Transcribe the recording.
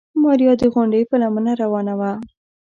ماريا د غونډۍ په لمنه روانه وه.